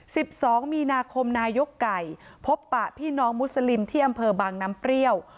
สิบสองมีนาคมนายกไก่พบปะพี่น้องมุสลิมที่อำเภอบางน้ำเปรี้ยว